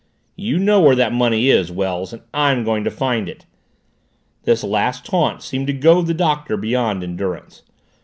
"You know where that money is, Wells, and I'm going to find it!" This last taunt seemed to goad the Doctor beyond endurance.